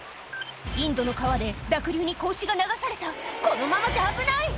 インドの川で濁流に子牛が流されたこのままじゃ危ない！